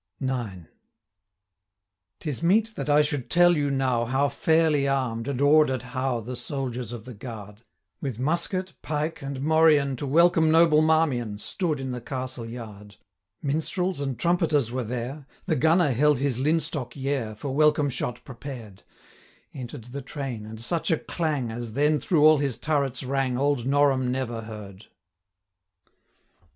IX. 'Tis meet that I should tell you now, How fairly arm'd, and order'd how, The soldiers of the guard, With musket, pike, and morion, 130 To welcome noble Marmion, Stood in the Castle yard; Minstrels and trumpeters were there, The gunner held his linstock yare, For welcome shot prepared: 135 Enter'd the train, and such a clang, As then through all his turrets rang, Old Norham never heard.